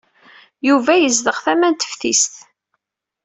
Yuba yezdeɣ tama n teftist.